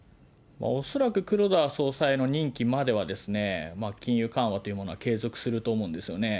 恐らく黒田総裁の任期までは金融緩和っていうものは継続すると思うんですよね。